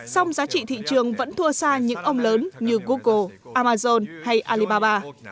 song giá trị thị trường vẫn thua xa những ông lớn như google amazon hay alibaba